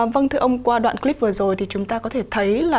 vâng thưa ông qua đoạn clip vừa rồi thì chúng ta có thể thấy là